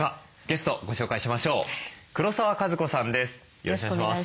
よろしくお願いします。